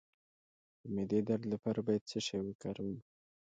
د معدې درد لپاره باید څه شی وکاروم؟